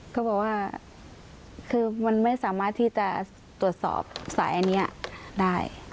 เขาบอกว่าคือมันไม่สามารถที่จะตรวจสอบสายอันนี้ได้